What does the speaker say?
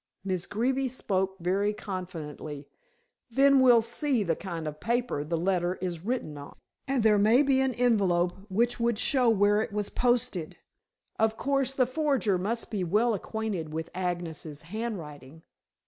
Miss Greeby spoke very confidently. "Then we'll see the kind of paper the letter is written on, and there may be an envelope which would show where it was posted. Of course, the forger must be well acquainted with Agnes's handwriting."